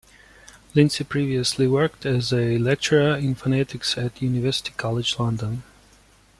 Lindsey previously worked as a lecturer in phonetics at University College London.